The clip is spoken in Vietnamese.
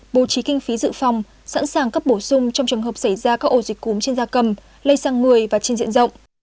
bố trí kinh phí dự phòng sẵn sàng cấp bổ sung trong trường hợp xảy ra các ổ dịch cúm trên da cầm lây sang người và trên diện rộng